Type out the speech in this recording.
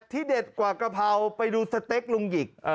เด็ดกว่ากะเพราไปดูสเต็กลุงหยิก